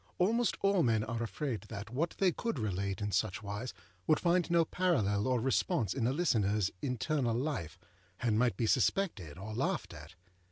Almost all men are afraid that what they could relate in such wise would find no parallel or response in a listenerâs internal life, and might be suspected or laughed at.